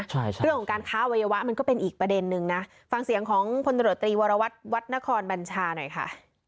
เรื่องของการค้าอวัยวะมันก็เป็นอีกประเด็นนึงนะฟังเสียงของพลตรวจตรีวรวัตรวัดนครบัญชาหน่อยค่ะ